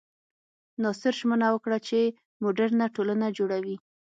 ناصر ژمنه وکړه چې موډرنه ټولنه جوړوي.